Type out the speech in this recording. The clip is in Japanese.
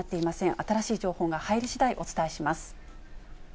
新しい情報が入りしだい、お伝えします。